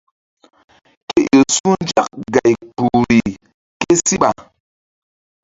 Ke ƴo su̧ nzak gay kpuhri késíɓa.